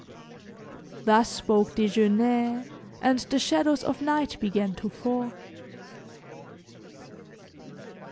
Thus spoke Desgenais; and the shadows of night began to fall.